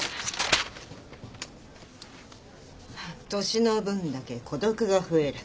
「年の分だけ孤独が増える」